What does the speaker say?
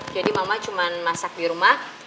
jadi mama cuman masak dirumah